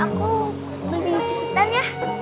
aku beli jepitan ya